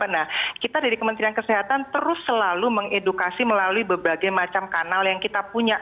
nah kita dari kementerian kesehatan terus selalu mengedukasi melalui berbagai macam kanal yang kita punya